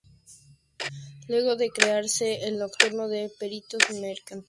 Luego de crearse el nocturno de Peritos Mercantiles el director de la escuela, Prof.